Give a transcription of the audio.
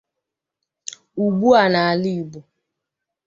Ugbua n'ala Igbo